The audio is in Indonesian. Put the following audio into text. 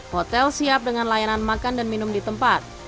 hotel siap dengan layanan makan dan minum di tempat